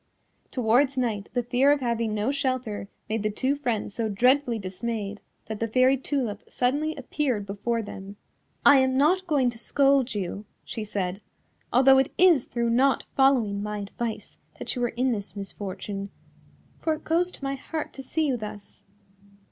Towards night the fear of having no shelter made the two friends so dreadfully dismayed that the Fairy Tulip suddenly appeared before them. "I am not going to scold you," she said, "although it is through not following my advice that you are in this misfortune, for it goes to my heart to see you thus.